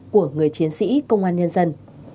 của người chiến sĩ công an nhân dân